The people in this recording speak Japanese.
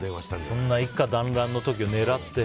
そんな一家団らんの時を狙って。